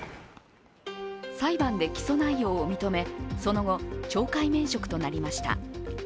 裁判で起訴内容を認め、その後、懲戒免職となりました。